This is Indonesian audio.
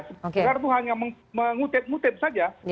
sekarang itu hanya mengutip ngutip saja